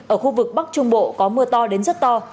ở khu vực bắc trung bộ có mưa to đến rất to